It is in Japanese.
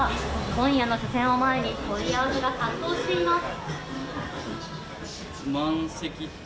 今夜の初戦を前に問い合わせが殺到しています。